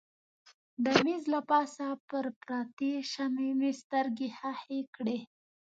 د مېز له پاسه پر پرتې شمعې مې سترګې ښخې کړې.